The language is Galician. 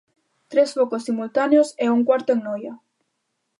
Tres focos simultáneos e un cuarto en Noia.